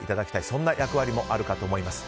そんな役割もあるかと思います。